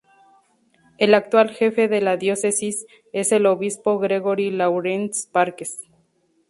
El actual jefe de la Diócesis es el Obispo Gregory Lawrence Parkes.